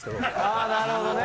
ああなるほどね。